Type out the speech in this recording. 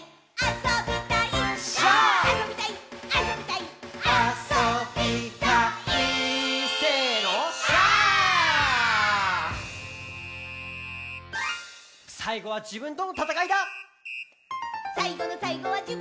「さいごのさいごはじぶんにかつのだ」